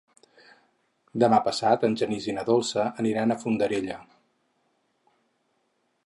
Demà passat en Genís i na Dolça aniran a Fondarella.